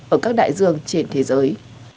ở các đại dương trên thế giới